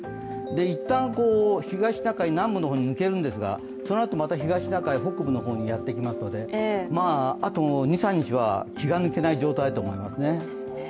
一旦、東シナ海南部の方に抜けるんですがそのあとまた東シナ海北部の方にやってきますので、あと２３日は気が抜けない状態だと思いますね。